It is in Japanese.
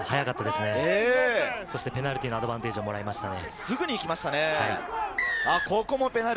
早い展開で今のは速かったですね、ペナルティーのアドバンテージをもらいましたね。